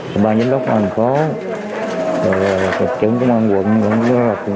quận và thành phố thượng trưởng công an quận